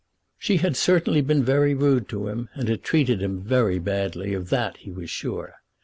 She had certainly been very rude to him, and had treated him very badly. Of that he was sure.